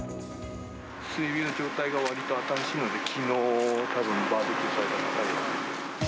炭の状態がわりと新しいので、きのう、たぶんバーベキューされた方ですね。